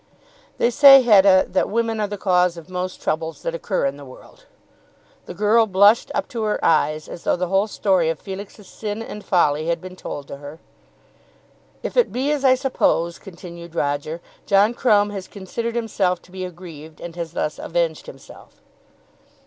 "They say, Hetta, that women are the cause of most troubles that occur in the world." The girl blushed up to her eyes, as though the whole story of Felix's sin and folly had been told to her. "If it be as I suppose," continued Roger, "John Crumb has considered himself to be aggrieved and has thus avenged himself."